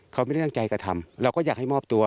เขาไม่ได้ตั้งใจกระทำเราก็อยากให้มอบตัว